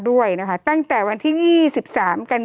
โทษทีน้องโทษทีน้อง